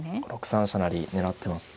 ６三飛車成狙ってます。